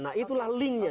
nah itulah linknya